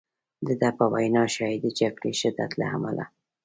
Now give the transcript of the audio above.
د ده په وینا ښایي د جګړې شدت له امله.